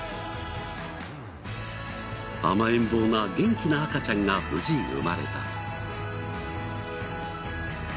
甘えん坊な元気な赤ちゃんが無事生まれた。